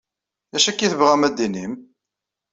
D acu akka i tebɣam ad tinim?